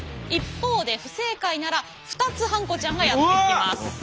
一方で不正解なら２つハンコちゃんがやって来ます。